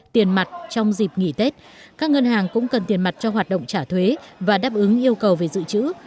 tiền mặt trong dịp nghỉ tết các ngân hàng cũng cần tiền mặt cho hoạt động trả thuế và đáp ứng yêu cầu về dự trữ